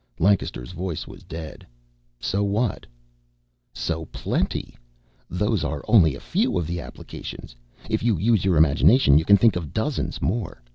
Lancaster's voice was dead. "So what?" "So plenty! Those are only a few of the applications. If you use your imagination, you can think of dozens more.